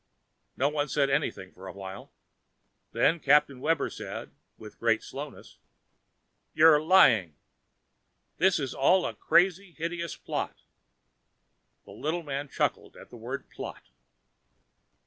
No one said anything for a while. Then Captain Webber said, with great slowness, "You're lying. This is all a crazy, hideous plot." The little man chuckled at the word plot.